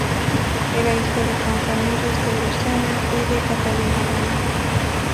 Era hijo de Juan Ramírez de Lucena y de Catalina Ramírez.